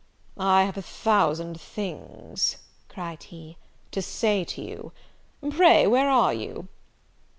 "I have a thousand things," cried he, "to say to you. Pray where are you?"